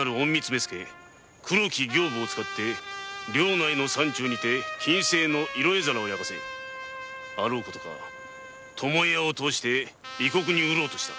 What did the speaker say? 目付黒木刑部を使って領内の山中で禁制の色絵皿を焼かせあろう事か巴屋をとおして異国に売ろうとした。